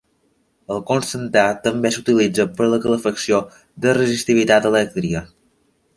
El constantà també s'utilitza per a la calefacció de resistivitat elèctrica.